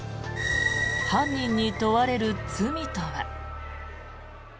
犯人に問われる罪とは。